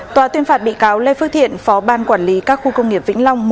tòa tuyên phạt bị cáo lê phước thiện phó ban quản lý các khu công nghiệp vĩnh long